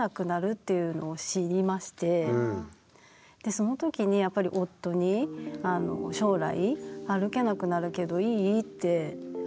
その時にやっぱり夫に「将来歩けなくなるけどいい？」って確認をして。